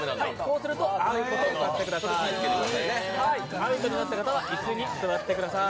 アウトになった方は椅子に座ってください。